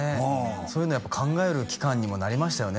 そういうのやっぱ考える期間にもなりましたよね